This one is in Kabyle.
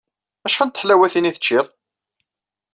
Acḥal n teḥlawatin i teččiḍ?